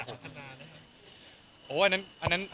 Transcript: อันนั้นต้องเป็นเรื่องค่อยโหเรียกว่าอะไรนะ